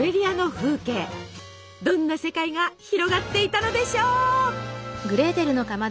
どんな世界が広がっていたのでしょう。